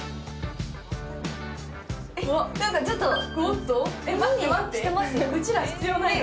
なんかちょっと待って待ってうちら必要ないの？